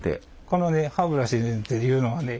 このね歯ブラシっていうのはね